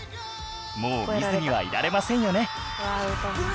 もう見ずにはいられませんよね？